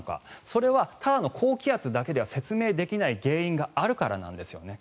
それは、ただの高気圧だけでは説明できない原因があるからなんですね。